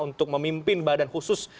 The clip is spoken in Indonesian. untuk memimpin badan khusus